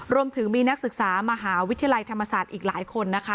รวมถึงมีนักศึกษามหาวิทยาลัยธรรมศาสตร์อีกหลายคนนะคะ